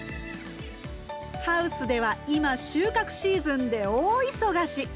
ハウスでは今収穫シーズンで大忙し！